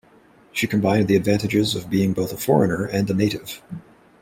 She combined the advantages of being both a foreigner and a native.